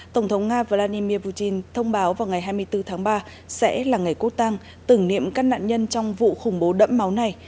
tổng thống nga vladimir putin thông báo vào ngày hai mươi bốn tháng ba sẽ là ngày quốc tăng tưởng niệm các nạn nhân trong vụ khủng bố đẫm máu này